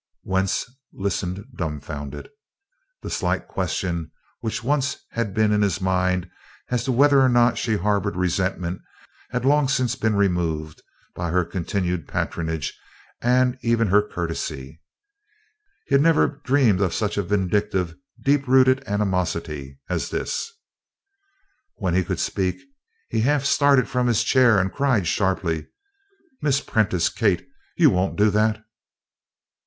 Wentz listened dumbfounded. The slight question which once had been in his mind as to whether or not she harbored resentment had long since been removed by her continued patronage and her even courtesy. He never had dreamed of such a vindictive, deep rooted animosity as this. When he could speak he half started from his chair and cried sharply: "Miss Prentice! Kate! You won't do that!"